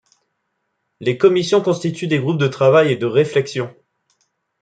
Les commissions constituent des groupes de travail et de réflexion.